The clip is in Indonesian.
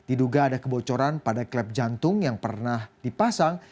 diduga ada kebocoran pada klep jantung yang pernah dipasang